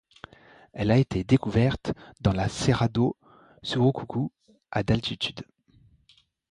Elle a été découverte dans la Serra do Surucucu à d'altitude.